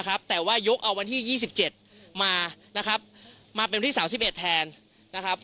แต่ว่ายกเอาวันที่๒๗มานะครับมาเป็นวันที่๓๑แทนนะครับ